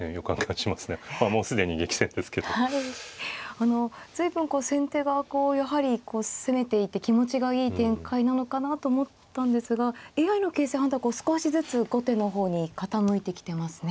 あの随分先手がやはり攻めていて気持ちがいい展開なのかなと思ったんですがＡＩの形勢判断は少しずつ後手の方に傾いてきてますね。